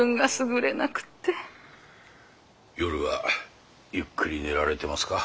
夜はゆっくり寝られてますか？